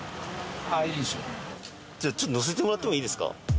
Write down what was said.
じゃあちょっと乗せてもらってもいいですか。